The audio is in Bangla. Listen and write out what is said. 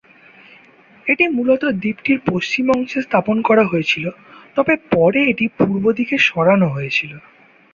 এটি মূলত দ্বীপটির পশ্চিম অংশে স্থাপন করা হয়েছিল, তবে পরে এটি পূর্ব দিকে সরানো হয়েছিল।